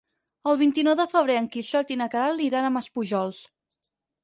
El vint-i-nou de febrer en Quixot i na Queralt iran a Maspujols.